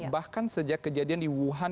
bahkan sejak kejadian di wuhan